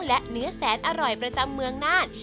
และเนื้อแสนอร่อยประจำเมืองน่าน